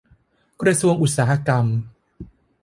กระทรวงอุตสาหกรรม